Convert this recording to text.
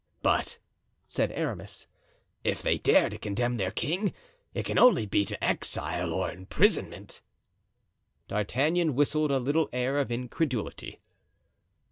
"But," said Aramis, "if they dare to condemn their king, it can only be to exile or imprisonment." D'Artagnan whistled a little air of incredulity.